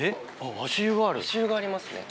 足湯がありますね。